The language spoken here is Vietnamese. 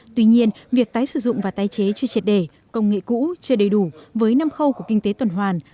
tuy nhiên việc tái sử dụng và tái chế chưa triệt để công nghệ cũ chưa đầy đủ với năm khâu của kinh tế tuần hoàn